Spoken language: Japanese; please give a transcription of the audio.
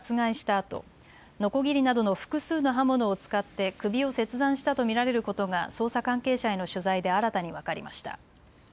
あとのこぎりなどの複数の刃物を使って首を切断したと見られることが捜査関係者への取材で新たに分かりました。